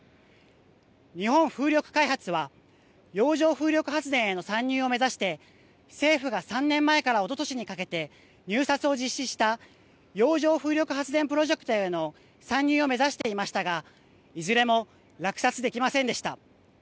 日本風力開発は洋上風力発電への参入を目指して政府が３年前からおととしにかけて入札を実施した洋上風力発電プロジェクトへの参入を目指していましたがいずれも落札できませんでした。